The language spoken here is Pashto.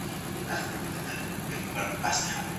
خپل ورېښتان په پوره ترتیب او پاکوالي سره جوړ کړئ.